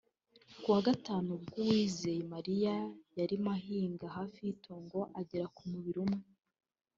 Ku wa Gatanu ubwo Uwizeye Mariya yarimo ahinga hafi y’itongo agera ku mubiri umwe